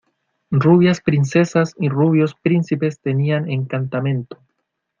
rubias princesas y rubios príncipes tenían encantamento!...